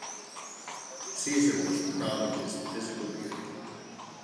Caesar was proud of his physical beauty.